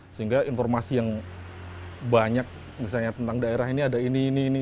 sehingga informasi yang banyak misalnya tentang daerah ini ada ini ini ini